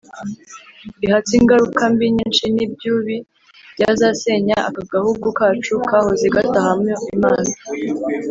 rihatse ingaruka mbi nyinshi n'ibyubi byazasenya aka gahugu kacu kahoze gatahamo imana.